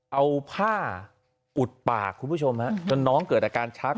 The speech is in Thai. เอาผ้าอุดปากคุณผู้ชมฮะจนน้องเกิดอาการชัก